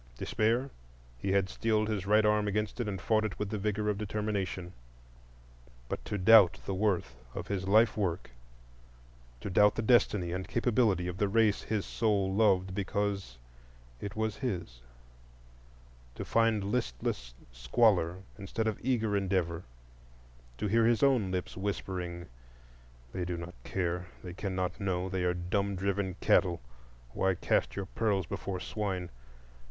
Despair? He had steeled his right arm against it, and fought it with the vigor of determination. But to doubt the worth of his life work,—to doubt the destiny and capability of the race his soul loved because it was his; to find listless squalor instead of eager endeavor; to hear his own lips whispering, "They do not care; they cannot know; they are dumb driven cattle,—why cast your pearls before swine?"